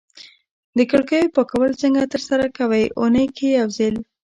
د کړکیو پاکول څنګه ترسره کوی؟ اونۍ کی یوځل